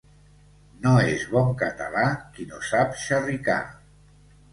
No és bon català qui no sap xerricar.